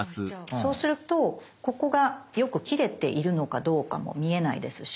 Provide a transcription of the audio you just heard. そうするとここがよく切れているのかどうかも見えないですし。